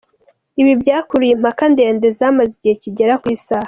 Ibi byakuruye impaka ndende zamaze igihe kigera ku isaha.